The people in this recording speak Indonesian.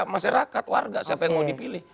masyarakat warga siapa yang mau dipilih